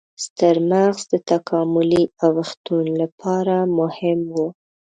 ستر مغز د تکاملي اوښتون لپاره مهم و.